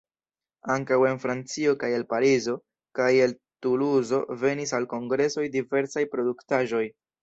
Ankaŭ en Francio kaj el Parizo kaj el Tuluzo venis al kongresoj diversaj produktaĵoj.